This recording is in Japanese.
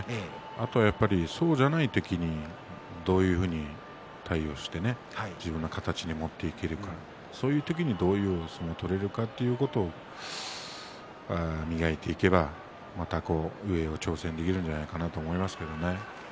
あとはやっぱりそうじゃない時にどういうふうに対応して自分の形に持っていけるかそういう時にどういう相撲が取れるかということを磨いていけば上に挑戦していけるんじゃないかなと思いますね。